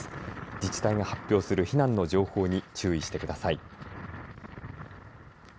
自治体の発表する避難の情報に注意してください。